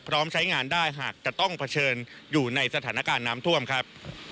พร้อมใช้งานได้หากจะต้องเผชิญอยู่ในสถานการณ์น้ำท่วมครับ